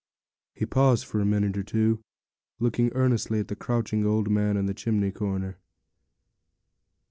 He paused for a minute or two, looking earnestly at the crouching old man in the chimney corner.